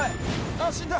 あっ死んだ。